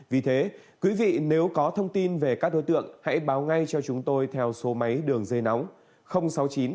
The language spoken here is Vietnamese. vì thế quý vị nếu có thông tin về các đối tượng hãy báo ngay cho chúng tôi theo số máy đường dây nóng